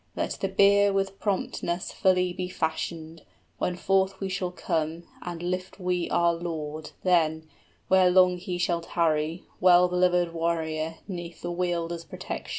Let the bier with promptness Fully be fashioned, when forth we shall come, And lift we our lord, then, where long he shall tarry, 50 Well beloved warrior, 'neath the Wielder's protection."